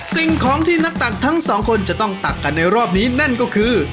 สิ่งของที่นักตักทั้งสองคนจะต้องตักกันในรอบนี้นั่นก็คือ